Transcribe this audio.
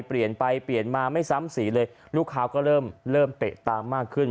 เปลี่ยนไปเปลี่ยนมาไม่ซ้ำสีเลยลูกค้าก็เริ่มเริ่มเตะตามมากขึ้น